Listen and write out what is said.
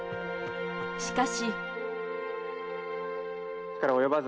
しかし。